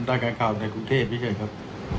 รายการข่าวในกรุงเทพฯพี่เกิดครับ